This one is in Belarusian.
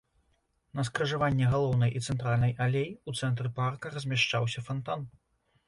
На скрыжаванні галоўнай і цэнтральнай алей, у цэнтры парка размяшчаўся фантан.